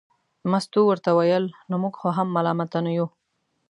مستو ورته وویل نو موږ خو هم ملامته نه وو.